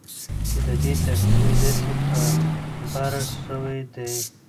چې ددې تقسیم داسي په بره سویدي